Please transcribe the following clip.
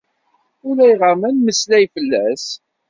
Ulayɣar ma nemmeslay fell-as.